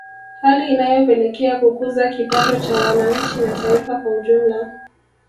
Hali inayopelekea kukuza kipato cha wananchi na taifa kwa ujumla